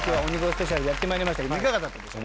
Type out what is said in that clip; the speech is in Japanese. スペシャルでやって参りましたけどいかがだったでしょう？